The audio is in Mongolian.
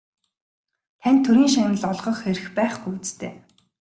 Танд Төрийн шагнал олгох эрх байхгүй биз дээ?